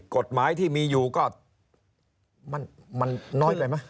กฎหมายที่มีอยู่ก็มันน้อยไปไหม